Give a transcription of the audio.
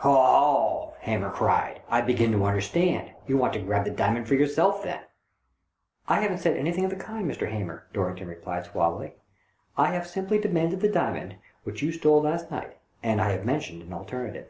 " Ho ! ho !" Hamer cried. " I begin to under stand. You want to grab the diamond for yourself then?" "I haven't said anything of the kind, Mr. Hamer," Dorrington replied, suavely. " I have simply demanded the diamond which you stole last night, and I have mentioned an alternative."